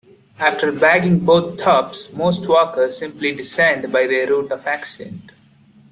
After bagging both tops, most walkers simply descend by their route of ascent.